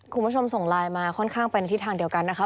คุณผู้ชมส่งไลน์มาค่อนข้างเป็นทิศทางเดียวกันนะคะ